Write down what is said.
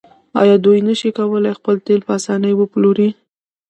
آیا دوی نشي کولی خپل تیل په اسانۍ وپلوري؟